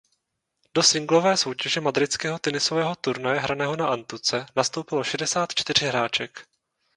Do singlové soutěže madridského tenisového turnaje hraného na antuce nastoupilo šedesát čtyři hráček.